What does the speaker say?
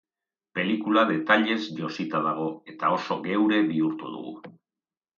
Pelikula detailez josita dago, eta oso geure bihurtu dugu.